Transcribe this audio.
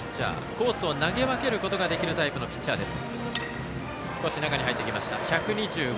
コースを投げ分けることのできるピッチャーです。